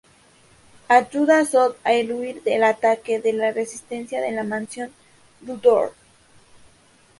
Ayuda a Zod a eludir el ataque de la resistencia en la mansión Luthor.